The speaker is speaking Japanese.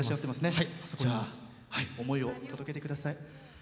思いを届けてください。